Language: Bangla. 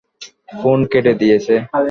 ফোন কেটে দিয়েছে।